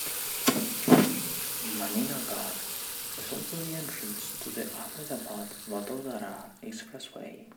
Maninagar is also the entrance to the Ahmedabad-Vadodara expressway.